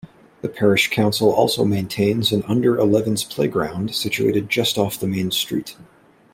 The parish council also maintains an under-elevens playground, situated just off the main street.